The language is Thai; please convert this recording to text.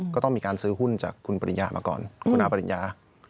ก็ต้องมีการซื้อหุ้นจากคุณปริญญามาก่อนคุณอาปริญญา